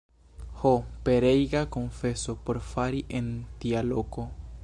Ho, pereiga konfeso por fari en tia loko!